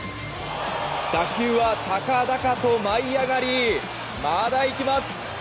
打球は高々と舞い上がりまだいきます！